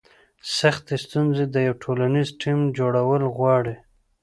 سختې ستونزې د یو ټولنیز ټیم جوړول غواړي.